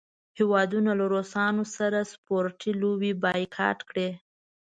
هیوادونو له روسانو سره سپورټي لوبې بایکاټ کړې.